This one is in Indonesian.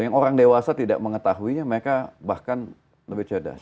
yang orang dewasa tidak mengetahuinya mereka bahkan lebih cerdas